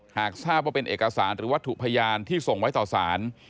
หากทราบว่าเป็นเอกสารหรือวัตถุพยานที่ส่งไว้ต่อสาร